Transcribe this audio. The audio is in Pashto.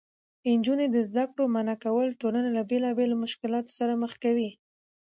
نجونې له زده کړو منعه کول ټولنه له بېلابېلو مشکلاتو سره مخ کوي.